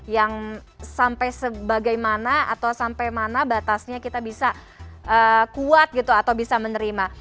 yang sampai sebagaimana atau sampai mana batasnya kita bisa kuat gitu atau bisa menerima